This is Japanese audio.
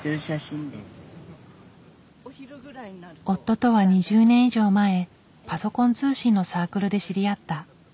夫とは２０年以上前パソコン通信のサークルで知り合った。